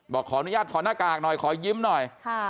บอกขออนุญาตขอหน้ากากหน่อยขอยิ้มหน่อย